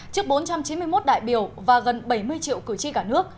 trước bốn trăm chín mươi một đại biểu và gần bảy mươi triệu cử tri cả nước